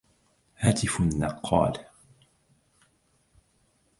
هاتف نقال